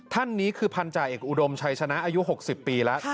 ท่านนี้คือพันธาเอกอุดมชัยชนะอายุ๖๐ปีแล้ว